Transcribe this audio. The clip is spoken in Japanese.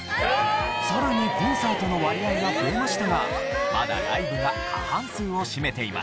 さらにコンサートの割合が増えましたがまだライブが過半数を占めています。